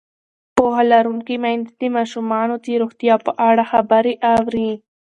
پوهه لرونکې میندې د ماشومانو د روغتیا په اړه خبرې اوري.